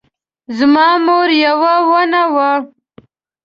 زما مور یوه ونه وه